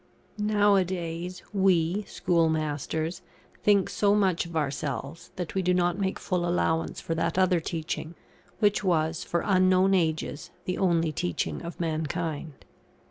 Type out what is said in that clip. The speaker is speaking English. Nowadays, we, schoolmasters, think so much of ourselves, that we do not make full allowance for that other teaching, which was, for unknown ages, the only teaching of mankind.